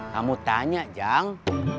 kamu tanya jang